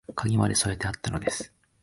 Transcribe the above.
鍵まで添えてあったのです